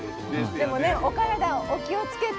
でもねお体お気をつけて。